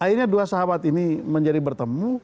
akhirnya dua sahabat ini menjadi bertemu